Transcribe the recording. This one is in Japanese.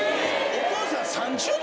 お父さん３０代？